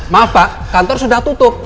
maaf pak kantor sudah tutup